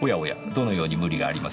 どのように無理がありますか？